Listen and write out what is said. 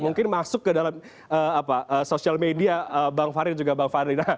mungkin masuk ke dalam sosial media bang fahri dan juga bang fadli